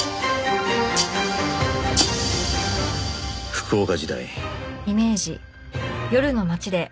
福岡時代